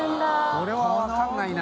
これは分からないな。